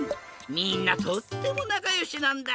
みんなとってもなかよしなんだ。